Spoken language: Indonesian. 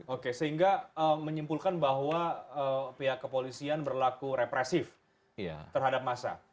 oke sehingga menyimpulkan bahwa pihak kepolisian berlaku represif terhadap massa